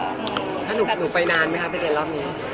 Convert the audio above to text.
แล้วหนูไปนานไหมคะไปเรียนรอบนี้